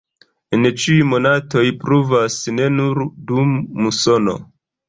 En ĉiuj monatoj pluvas, ne nur dum musono.